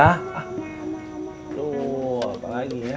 tuh apalagi ya